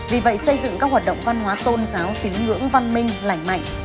vì vậy xây dựng các hoạt động văn hóa tôn giáo tín ngưỡng văn minh lành mạnh